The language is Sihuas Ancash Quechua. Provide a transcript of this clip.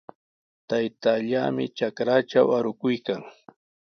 Taytallaami trakratraw arukuykan.